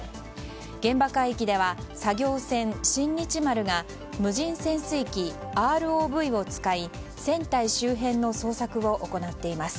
現場海域では作業船「新日丸」が無人潜水機・ＲＯＶを使い船体周辺の捜索を行っています。